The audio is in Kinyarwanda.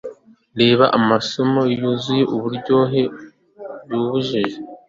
reba, amaso yuzuye uburyohe bubabaje